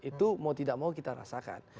itu mau tidak mau kita rasakan